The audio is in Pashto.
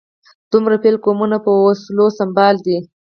دومره بېل قومونه په وسلو سمبال دي.